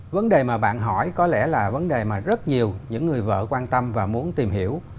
vấn đề mà bạn hỏi có lẽ là vấn đề mà rất nhiều những người vợ quan tâm và muốn tìm hiểu